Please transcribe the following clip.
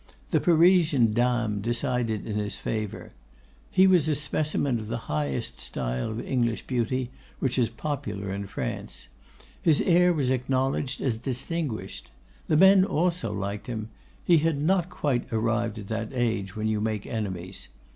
The Parisian dames decided in his favour. He was a specimen of the highest style of English beauty, which is popular in France. His air was acknowledged as distinguished. The men also liked him; he had not quite arrived at that age when you make enemies.